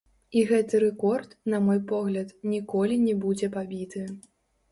І гэты рэкорд, на мой погляд, ніколі не будзе пабіты.